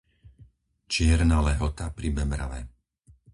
Čierna Lehota pri Bebrave